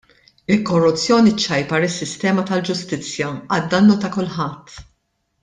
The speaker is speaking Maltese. Il-korruzzjoni ċċajpar is-sistema tal-ġustizzja għad-dannu ta' kulħadd.